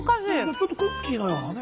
ちょっとクッキーのようなね。